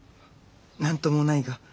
何ともないが。